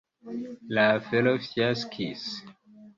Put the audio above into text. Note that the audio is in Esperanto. La afero fiaskis.